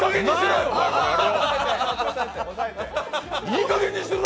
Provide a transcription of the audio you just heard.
いいかげんにしろ！